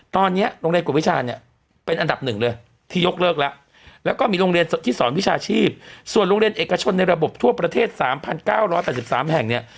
ตอนนี้โรงเรียนกฎวิชาเนี่ยเป็นอันดับหนึ่งเลยที่ยกเลิกแล้วแล้วก็มีโรงเรียนที่สอนวิชาชีพส่วนโรงเรียนเอกชนในระบบทั่วประเทศ๓๙๘๓แห่งเนี่ย